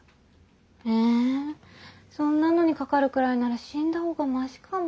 えそんなのにかかるくらいなら死んだほうがマシかも。